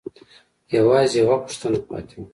يوازې يوه پوښتنه پاتې وه.